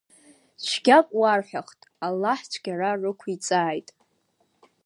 Цәгьак уарҳәахт, аллаҳ цәгьара рықәиҵааит…